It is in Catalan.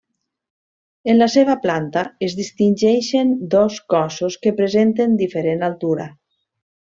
En la seva planta es distingeixen dos cossos que presenten diferent altura.